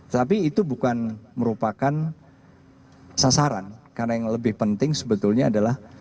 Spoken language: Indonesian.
tapi itu bukan merupakan sasaran karena yang lebih penting sebetulnya adalah